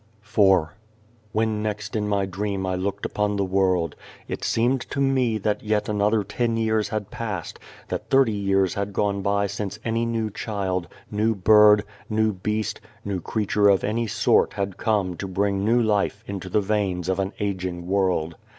285 IV WHEN next in my dream I looked upon the world, it seemed to me that yet another ten years had passed, that thirty years had gone by since any new child, new bird, new beast, new creature of any sort had come to bring new life into the veins of an ageing world.